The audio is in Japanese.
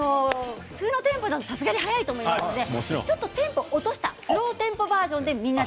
普通のテンポだとさすがに速いと思いますのでテンポを落としたスローテンポバージョンでみんなで。